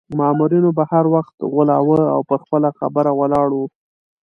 مامورینو به هر وخت غولاوه او پر خپله خبره ولاړ وو.